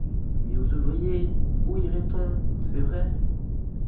Mais aux ouvriers !… Où irait-on ? C'est vrai.